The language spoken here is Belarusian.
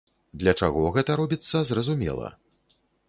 Для чаго гэта робіцца, зразумела.